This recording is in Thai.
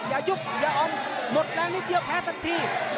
อย่ายุบอย่าออมหมดแรงนิดเดียวแพ้ทันที